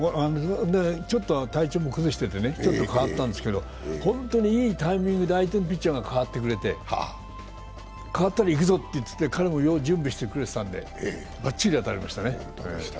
ちょっと体調も崩していて、ちょっと代わったんですけど、本当にいいタイミングで相手のピッチャーが代わってくれて、代わったら行くぞって彼も準備してくれてたんでバッチリ当たりましたね。